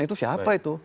itu siapa itu